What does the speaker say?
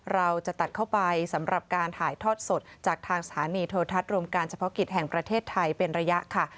เราจะตัดเข้าไปสำหรับการถ่ายทอดสดจากทางสถานีโททัศน์รวมการเฉพาะกิจแห่งประเทศไทยเป็นระยะค่ะ